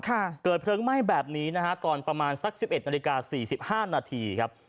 เกิดเพลิงไหม้แบบนี้นะฮะตอนประมาณสักสิบเอ็ดนาฬิกาสี่สิบห้านาทีครับ